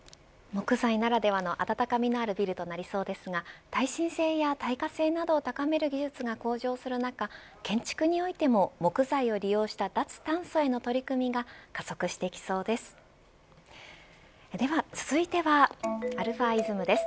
木材ならではの温かみのあるビルとなりそうですが耐震性や耐火性などを高める技術が向上する中建築においても木材を利用した脱炭素への取り組みが加速してきそうです。